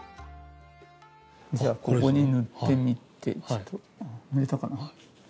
じゃあここに塗ってみて塗れたかな？